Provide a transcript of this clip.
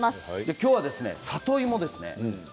きょうは里芋です。